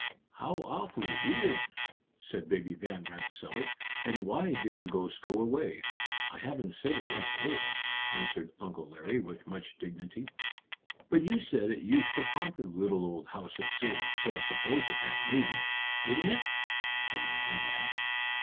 "How awfully weird!" said Baby Van Rensselaer. "And why did the ghost go away?" "I haven't said it went away," answered Uncle Larry, with much dignity. "But you said it used to haunt the little old house at Salem, so I supposed it had moved. Didn't it?" the young lady asked.